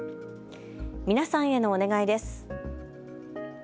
皆さんへのお願いです。